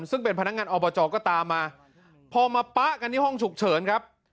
ซึ่งเป็นพนักงานอบจก็ตามมาพอมาป๊ะกันที่ห้องฉุกเฉินครับ